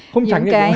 không tránh gì